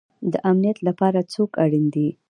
د امنیت لپاره څوک اړین دی؟